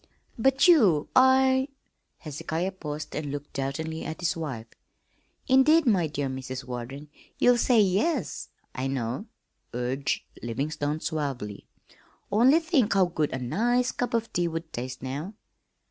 "But you I " Hezekiah paused and looked doubtingly at his wife. "Indeed, my dear Mrs. Warden, you'll say 'Yes,' I know," urged Livingstone suavely. "Only think how good a nice cup of tea would taste now."